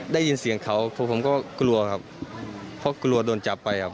ได้ยินเสียงเขาผมก็กลัวครับเพราะกลัวโดนจับไปครับ